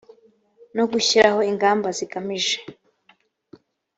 no gushyiraho ingamba zigamije